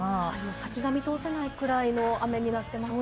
先が見通せないくらいの雨になっていますね。